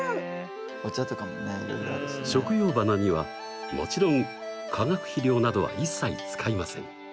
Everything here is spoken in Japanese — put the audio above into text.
食用花にはもちろん化学肥料などは一切使いません。